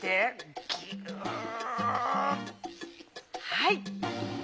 はい。